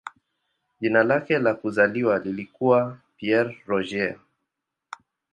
Jina lake la kuzaliwa lilikuwa "Pierre Roger".